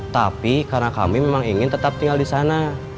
tapi karena kami memang ingin tetap tinggal di sana